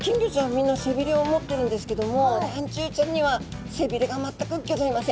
みんな背びれを持ってるんですけどもらんちゅうちゃんには背びれが全くギョざいません。